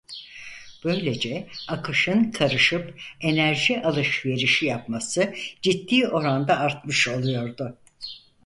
Böylece akışın karışıp enerji alışverişi yapması ciddi oranda artmış oluyordu.